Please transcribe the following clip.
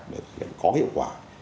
để thực hiện có hiệu quả